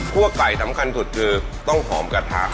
ไก่สำคัญสุดคือต้องหอมกระทะ